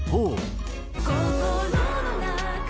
「心の中に」